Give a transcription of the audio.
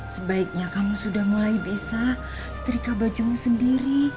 sebaiknya kamu sudah mulai bisa setrika bajumu sendiri